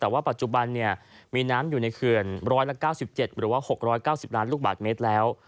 แต่ว่าปัจจุบันมีน้ำอยู่ในเขื่อน๑๙๗หรือว่า๖๙๐ล้านลูกบาทเมตรแล้ว